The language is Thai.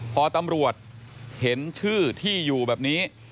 พอตำรวจเห็นชื่อที่อยู่แบบนี้